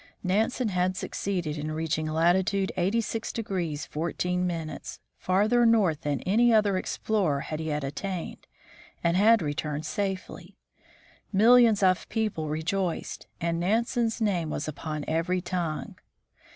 Nansen had succeeded in reaching latitude 86° 14', farther north than any other explorer had yet attained, and had returned safely. Millions of people rejoiced, and Nansen's name was upon every tongue.